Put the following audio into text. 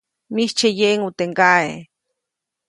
‒Mijtsye yeʼŋu teʼ ŋgaʼe-.